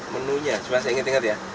menunya cuma saya ingat ingat ya